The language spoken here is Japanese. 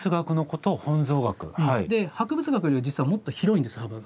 で博物学より実はもっと広いんです幅が。